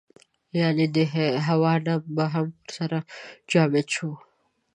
یعنې د هوا نم به هم ورسره جامد شو.